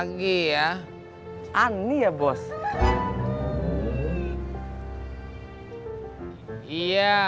ngasih puisi niontek lirik lagu udeh pernah